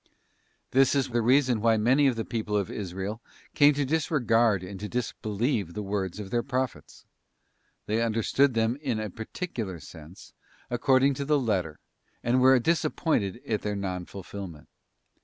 This is the reason why many of the people of Israel came to disregard and to disbelieve the words of their Prophets. They understood them in a particular sense, according to the letter, and were disappointed at their non fulfilment.